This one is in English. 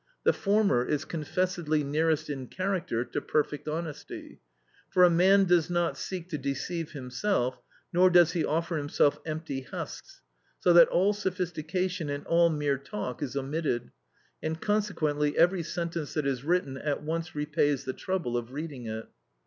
The former is confessedly nearest in character to perfect honesty; for a man does not seek to deceive himself, nor does he offer himself empty husks; so that all sophistication and all mere talk is omitted, and consequently every sentence that is written at once repays the trouble of reading it.